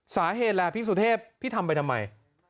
สาเหตุล่ะพี่สุเทพพี่ทำไปทำไม